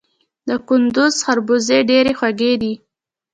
د کندز خربوزې ډیرې خوږې دي